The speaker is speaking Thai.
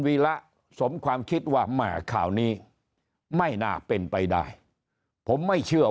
วีระสมความคิดว่าแม่ข่าวนี้ไม่น่าเป็นไปได้ผมไม่เชื่อ